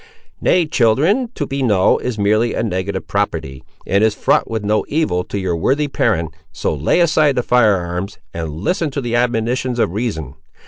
Nay, children, to be null is merely a negative property, and is fraught with no evil to your worthy parent; so lay aside the fire arms, and listen to the admonitions of reason.